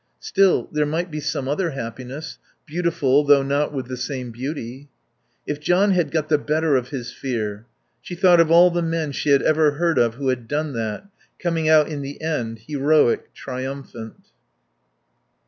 Still, there might be some other happiness, beautiful, though not with the same beauty. If John had got the better of his fear She thought of all the men she had ever heard of who had done that, coming out in the end heroic, triumphant.